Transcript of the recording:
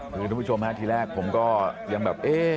คุณผู้ชมที่แล้วก็บอกว่า